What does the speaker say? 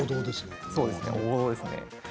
王道ですね。